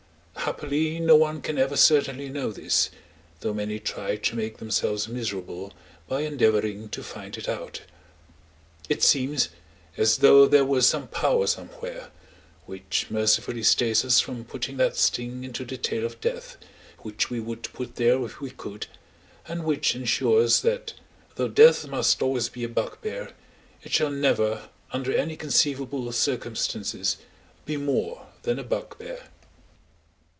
Happily no one can ever certainly know this, though many try to make themselves miserable by endeavouring to find it out. It seems as though there were some power somewhere which mercifully stays us from putting that sting into the tail of death, which we would put there if we could, and which ensures that though death must always be a bugbear, it shall never under any conceivable circumstances be more than a bugbear.